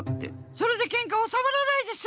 それでけんかおさまらないでしょ！